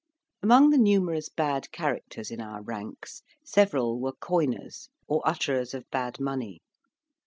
Among the numerous bad characters in our ranks, several were coiners, or utterers of bad money.